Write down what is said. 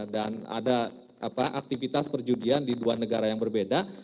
dan ada aktivitas perjudian di dua negara yang berbeda